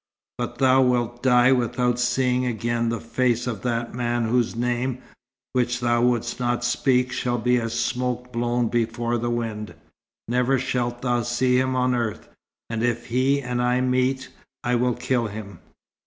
But thou wilt die without seeing again the face of that man whose name, which thou wouldst not speak, shall be as smoke blown before the wind. Never shalt thou see him on earth, and if he and I meet I will kill him."